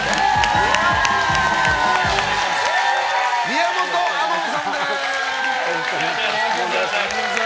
宮本亞門さんです！